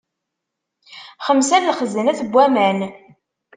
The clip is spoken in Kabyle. Xemsa n lxeznat n waman.